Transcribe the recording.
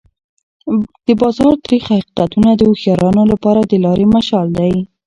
د بازار تریخ حقیقتونه د هوښیارانو لپاره د لارې مشال دی.